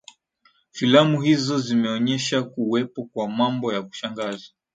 filamu hizo zimeonyesha kuwepo kwa mambo ya kushangaza